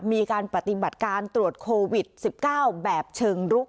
มีการปฏิบัติการตรวจโควิด๑๙แบบเชิงรุก